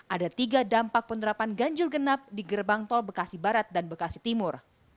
ada tiga dampak penerapan ganjil genap di gerbang tol bekasi barat dan bekasi timur